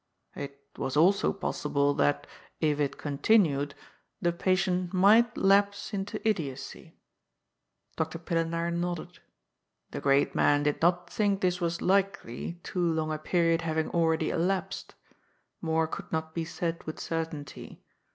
It was also possible that, if it con tinued, the patient might lapse into idiocy "— Dr. Pillenaar nodded. '^ The great man did not think this was likely, too long a period having already elapsed. More could not be said with certainty.